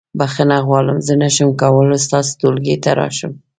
بخښنه غواړم زه نشم کولی ستاسو ټولګي ته راشم.